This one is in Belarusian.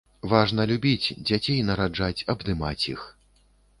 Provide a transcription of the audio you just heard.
Важна любіць, дзяцей нараджаць, абдымаць іх.